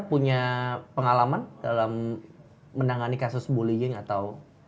punya pengalaman dalam menangani kasus bullying atau